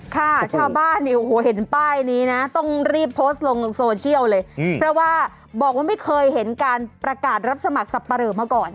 ค่ะชาวบ้านเนี่ยโอ้โหเห็นป้ายนี้นะต้องรีบโพสต์ลงโซเชียลเลยเพราะว่าบอกว่าไม่เคยเห็นการประกาศรับสมัครสับปะเหลอมาก่อน